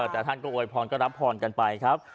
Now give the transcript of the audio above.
แต่ท่านก็อวยพรก็รับพรกันไปครับ